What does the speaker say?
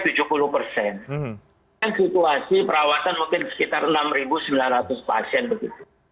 dan situasi perawatan mungkin sekitar enam sembilan ratus pasien begitu